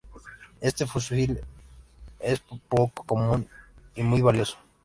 Este fusil es poco común y muy valioso.